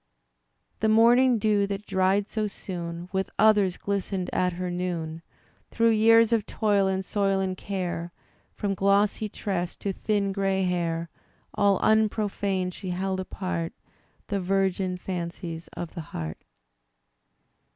The morning dew, that dried so soon With others, glistened at her noon; Through years of toil and soil and care. From glossy tress to thin gray hair. All unprofaned she held apart The virgin fancies of the heart.